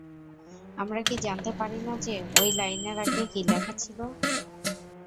আমরা কি জানতে পারি না যে, ঔই লাইনের আগে কি লেখা ছিল?